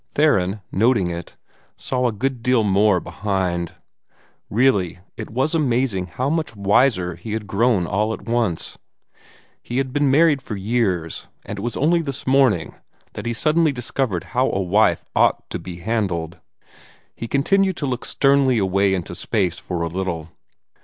Theron, noting it, saw a good deal more behind. Really, it was amazing how much wiser he had grown all at once. He had been married for years, and it was only this morning that he suddenly discovered how a wife ought to be handled. He continued to look sternly away into space for a little.